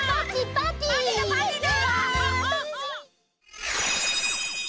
パーティーだパーティーだ！